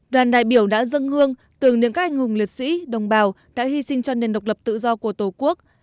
đoàn đại biểu đã dâng hương tưởng niệm các anh hùng liệt sĩ đồng bào đã hy sinh cho nền độc lập tự do của tổ quốc